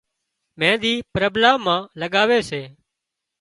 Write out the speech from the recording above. مينۮِي پرٻلا مان لڳاوي سي